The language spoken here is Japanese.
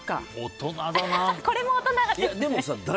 これも大人ですね。